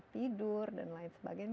tidur dan lain sebagainya